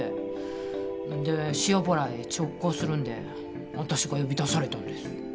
で塩原へ直行するんで私が呼び出されたんです。